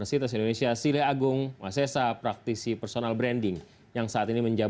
saya siap melaksanakan pikiran saya